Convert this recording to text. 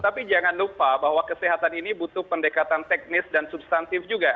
tapi jangan lupa bahwa kesehatan ini butuh pendekatan teknis dan substantif juga